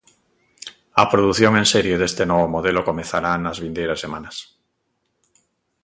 A produción en serie deste novo modelo comezará nas vindeiras semanas.